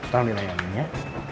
tolong dilayani ya